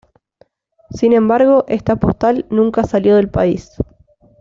Sin embargo, esta postal nunca salió del país.